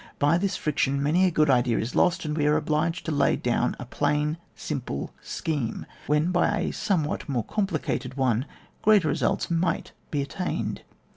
By this friction, many a good idea is lost, and we are obliged to lay down a plain, simple scheme, when by a somewhat more complicated one, greater results might be attained.